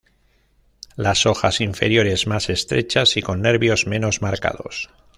Las hojas inferiores más estrechas y con nervios menos marcados.